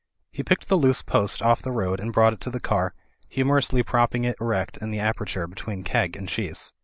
He picked the loose post off the road and brought it to the car, humorously propping it erect in the aperture between keg and cheese.